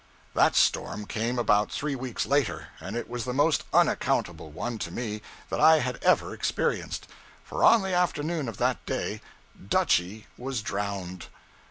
That storm came about three weeks later; and it was the most unaccountable one, to me, that I had ever experienced; for on the afternoon of that day, 'Dutchy' was drowned.